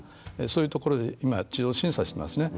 そういうところで今、審査してますね。